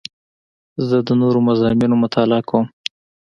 زه د نوو مضامینو مطالعه کوم.